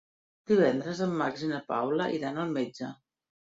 Divendres en Max i na Paula iran al metge.